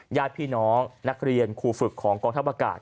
หญ้าพี่น้องนักเรียนครูฝึกของกองท้าวประกาศ